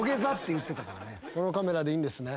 このカメラでいいんですね？